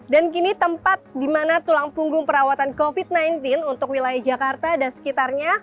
dan kini tempat dimana tulang punggung perawatan covid sembilan belas untuk wilayah jakarta dan sekitarnya